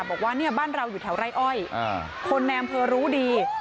บอกว่าเนี่ยบ้านเราอยู่แถวไร่อ้อยคนในอำเภอรู้ดี